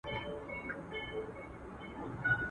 o په ځنگله کې وزېږوه، په بازارکې لوى که.